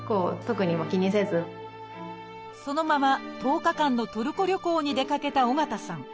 そのまま１０日間のトルコ旅行に出かけた緒方さん。